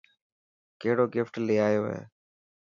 ڪهڙو گفٽ لي آيو هي.